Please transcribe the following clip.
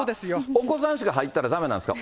お子さんしか入ったらだめなんですか。